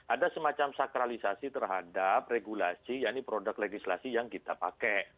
ada semacam sakralisasi terhadap regulasi yaitu produk legislasi yang kita pakai